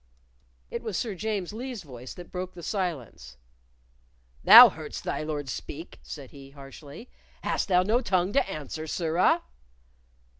It was Sir James Lee's voice that broke the silence. "Thou heardst thy Lord speak," said he, harshly. "Hast thou no tongue to answer, sirrah?"